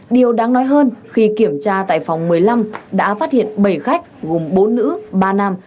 điều đáng nói hơn khi kiểm tra tại phòng một mươi năm đã phát hiện bảy khách gồm bốn nữ ba nam